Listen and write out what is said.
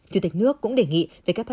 chủ tịch nước cũng đề nghị who